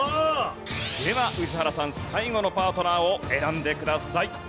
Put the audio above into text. では宇治原さん最後のパートナーを選んでください。